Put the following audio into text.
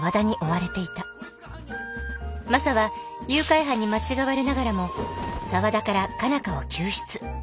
マサは誘拐犯に間違われながらも沢田から佳奈花を救出。